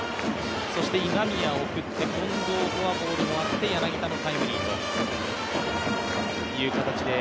そして今宮を送って、近藤のフォアボールがあって柳田のタイムリーという形で。